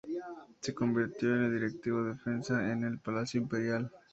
Se convirtió en directivo de defensa en el palacio imperial.